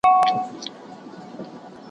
خوږیاڼۍ، شیرزاد، وزیر، کږه